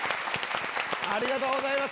ありがとうございます。